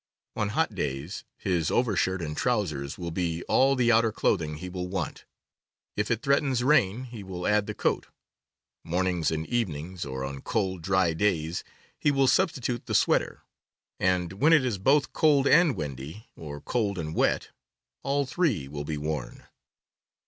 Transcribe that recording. On hot days his overshirt and trousers will be all the outer clothing he will want; if it threatens rain, he will add the coat; mornings and evenings, or on cold, dry days, he will substitute the sweater; and when it is both cold and windy, or cold and wet, all three will be worn.